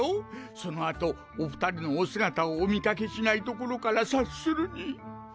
そのあとお２人のお姿をお見かけしないところから察するに。